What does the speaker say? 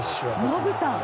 ノブさん